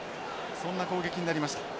そんな攻撃になりました。